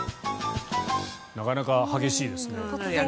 なかなか激しいですね。